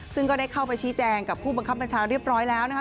ซึ่งก็ได้เข้าไปชี้แจงกับผู้บังคับบัญชาเรียบร้อยแล้วนะคะ